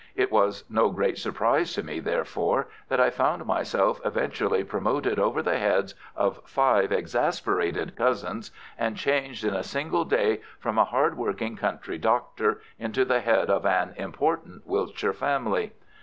It was no great surprise to me, therefore, that I found myself eventually promoted over the heads of five exasperated cousins, and changed in a single day from a hard working country doctor into the head of an important Wiltshire family.